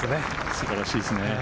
素晴らしいですね。